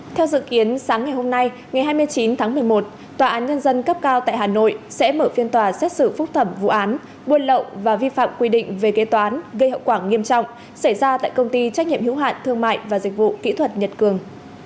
theo dự kiến sáng ngày hôm nay ngày hai mươi chín tháng một mươi một tòa án nhân dân cấp cao tại hà nội sẽ mở phiên tòa xét xử phúc thẩm vụ án buôn lậu và vi phạm quy định về kế toán gây hậu quả nghiêm trọng xảy ra tại công ty trách nhiệm hiếu hạn thương mại và dịch vụ kỹ thuật nhật cường